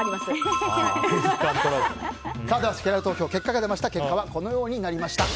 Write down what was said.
せきらら投票の結果はこのようになりました。